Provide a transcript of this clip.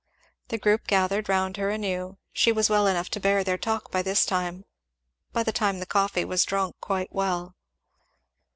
The group gathered round her anew; she was well enough to bear their talk by this time; by the time the coffee was drunk quite well.